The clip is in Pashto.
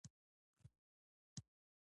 د پکتیکا په وازیخوا کې څه شی شته؟